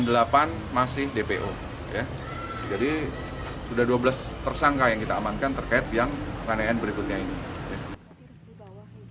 delapan masih dpo ya jadi sudah dua belas tersangka yang kita amankan terkait yang penganiayaan berikutnya ini